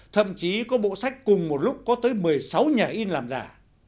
thậm chí có bộ sách cùng một lúc có tới một mươi sáu nhà in làm giả